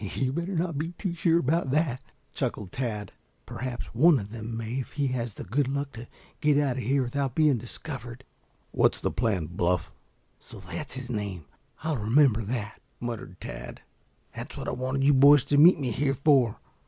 "You'd better not be too sure about that," chuckled Tad. "Perhaps one of them may if he has the good luck to get out of here without being discovered." "What's the plan, Bluff?" "So that's his name? I'll remember that," muttered Tad. "That's what I wanted you boys to meet me here for.